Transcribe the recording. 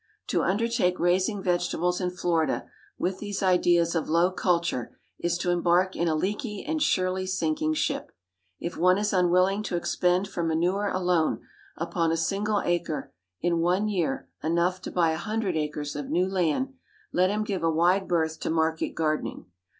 To undertake raising vegetables in Florida, with these ideas of low culture, is to embark in a leaky and surely sinking ship. If one is unwilling to expend for manure alone upon a single acre in one year enough to buy a hundred acres of new land, let him give a wide berth to market gardening.